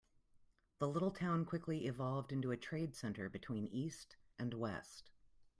The little town quickly evolved into a trade center between east and west.